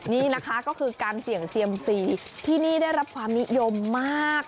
นี่นะคะก็คือการเสี่ยงเซียมซีที่นี่ได้รับความนิยมมาก